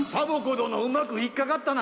どのうまくひっかかったな。